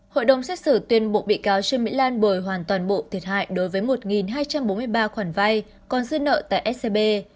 hội đồng xét xử tuyên buộc bị cáo trương mỹ lan bồi hoàn toàn bộ thiệt hại đối với một hai trăm bốn mươi ba khoản vay còn dư nợ tại scb